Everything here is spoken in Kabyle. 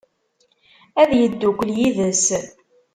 Ad yeddukel yid-s?